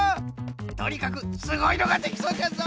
とにかくすごいのができそうじゃぞ。